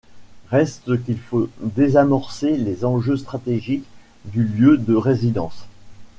Reste qu’il faut désamorcer les enjeux stratégiques du lieu de résidence.